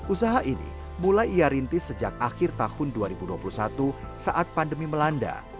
usaha ini mulai ia rintis sejak akhir tahun dua ribu dua puluh satu saat pandemi melanda